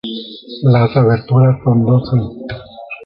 Las aberturas son doce.